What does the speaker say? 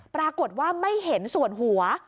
ปรากฏว่าไม่เห็นส่วนหัว